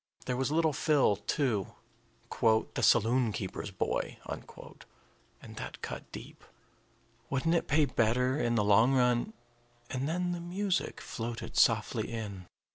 There was little Phil, too, "the saloon keeper's boy," and that cut deep. Wouldn't it pay better, in the long run and then the music floated softly in.